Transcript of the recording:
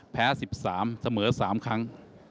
แพ้๑๓เสมอ๓ครั้ง